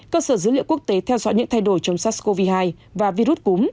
cơ sở dữ liệu quốc tế theo dõi những thay đổi chống sát covid hai và virus cúm